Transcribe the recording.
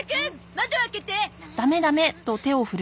窓開けて！